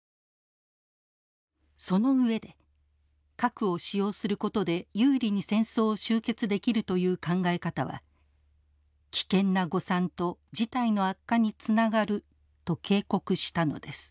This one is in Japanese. その上で核を使用することで有利に戦争を終結できるという考え方は危険な誤算と事態の悪化につながると警告したのです。